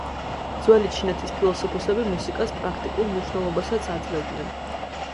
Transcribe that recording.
ძველი ჩინეთის ფილოსოფოსები მუსიკას პრაქტიკულ მნიშვნელობასაც აძლევდნენ.